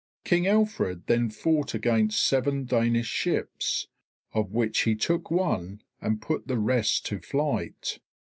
King Alfred then fought against seven Danish ships, of which he took one and put the rest to flight.